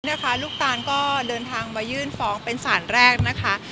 ลูกตานก็เดินทางมายื่นฟ้องเป็นสารแรกนะคะ